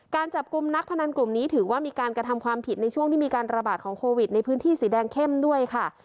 การจับกลุ่มนักพนันกลุ่มนี้ถือว่ามีการกระทำความผิดในช่วงที่มีการระบาดของโควิดในพื้นที่สีแดงเข้มด้วยค่ะ